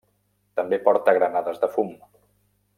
També porta granades de fum.